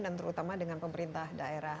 dan terutama dengan pemerintah daerah